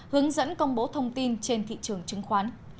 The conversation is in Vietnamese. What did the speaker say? hướng dẫn công bố thông tin trên thị trường chứng khoán